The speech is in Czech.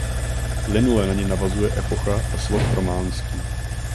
Plynule na ni navazuje epocha a sloh románský.